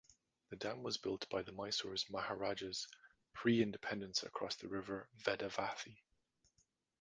The dam was built by the Mysore Maharajas pre-independence across the river Vedavathi.